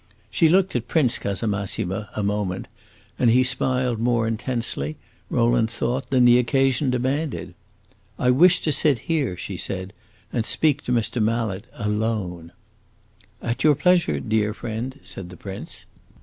She looked at Prince Casamassima a moment, and he smiled more intensely, Rowland thought, than the occasion demanded. "I wish to sit here," she said, "and speak to Mr. Mallet alone." "At your pleasure, dear friend," said the prince.